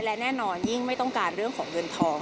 และแน่นอนยิ่งไม่ต้องการเรื่องของเงินทอง